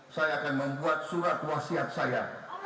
saya akan membuat surat wasiat saya